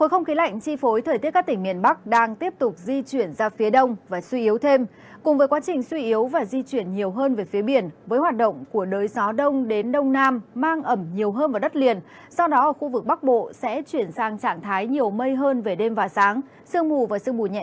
hãy đăng ký kênh để ủng hộ kênh của chúng mình nhé